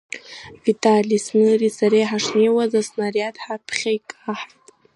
Витали Смыри сареи ҳашнеиуаз аснариад ҳаԥхьа икаҳауеит.